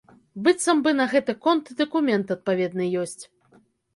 Быццам бы на гэты конт і дакумент адпаведны ёсць.